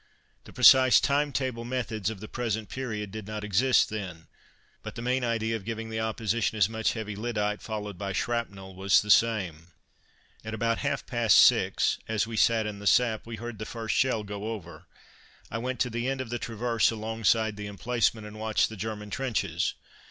The precise time table methods of the present period did not exist then, but the main idea of giving the Opposition as much heavy lyddite, followed by shrapnel, was the same. At about half past six, as we sat in the sap, we heard the first shell go over. I went to the end of the traverse alongside the emplacement, and watched the German trenches.